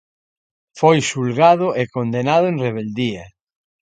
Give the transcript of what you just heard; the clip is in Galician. Foi xulgado e condenado en rebeldía.